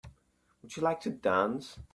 Would you like to dance?